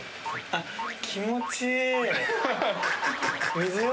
気持ちいい！